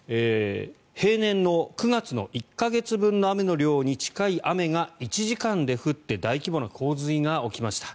平年の９月の１か月分の雨の量に近い雨が１時間で降って大規模な洪水が起きました。